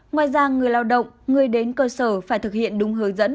ngoài ra người lao động người đến cơ sở phải thực hiện đúng hướng dẫn